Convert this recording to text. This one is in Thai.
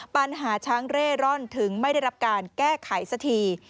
ปัญหาช้างเร่ร่อนถึงไม่ได้รับการแก้ไขสักที